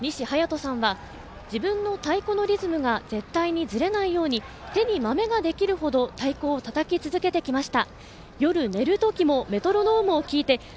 報徳学園吹奏楽部の部長にしはやとさんは自分の太鼓のリズムが絶対にずれないように手にマメができるほど太鼓をたたき続けてきました。